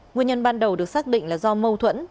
nguyên nhân ban đầu được xác định là do mâu thuẫn